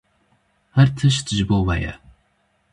Her tişt ji bo we ye.